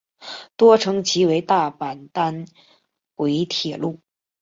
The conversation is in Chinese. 多称其为大阪单轨铁路。